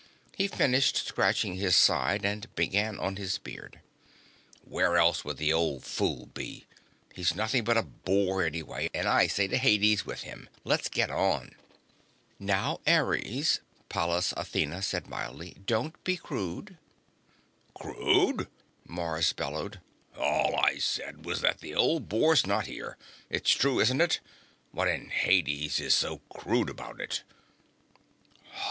He finished scratching his side and began on his beard. "Where else would the old fool be? He's nothing but a bore anyway and I say to Hades with him. Let's get on." "Now, Ares," Pallas Athena said mildly. "Don't be crude." "Crude?" Mars bellowed. "All I said was that the old bore's not here. It's true, isn't it? What in Hades is so crude about it?"